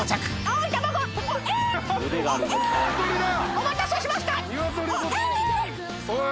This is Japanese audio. お待たせしましたオッエ！